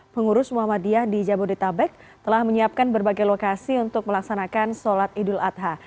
pengurus muhammadiyah di jabodetabek telah menyiapkan berbagai lokasi untuk melaksanakan sholat idul adha